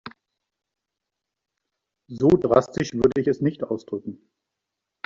So drastisch würde ich es nicht ausdrücken.